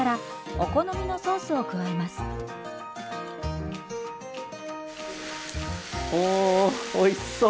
おおおいしそう！